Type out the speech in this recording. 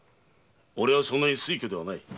俺はそんなに酔狂ではない。